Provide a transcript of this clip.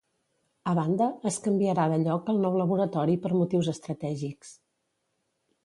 A banda, es canviarà de lloc el nou laboratori per motius estratègics.